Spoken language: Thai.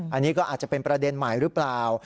อันนี้ก็อาจจะเป็นประเด็นใหม่หรือเปล่า